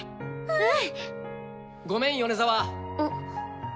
うん！